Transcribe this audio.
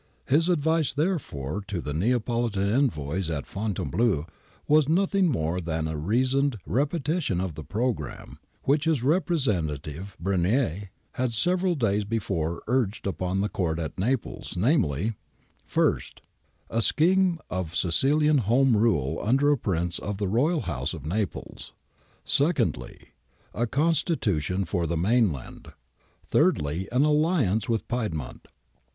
^ His advice therefore to the Neapolitan envoys at Fontainebleau was nothing more than a reasoned re petition of the programme which his representative Brenier had several days before urged upon the Court at Naples,^ namely :— First, a scheme of Sicilian Home Rule under a Prince of the Royal House of Naples. Secondly, a Constitution for the mainland. Thirdly, an alliance with Piedmont.